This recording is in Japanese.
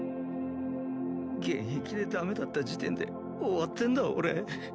現役でダメだった時点で終わってんだ俺